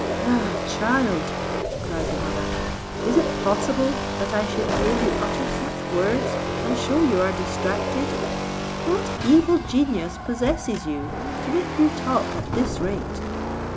"Ah! child," cried the mother, "is it possible that I should hear you utter such words that shew you are distracted! What evil genius possesses you, to make you talk at this rate?